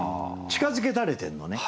近づけられてるのね。